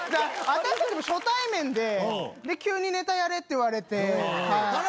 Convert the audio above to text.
私たちも初対面で急にネタやれって言われて。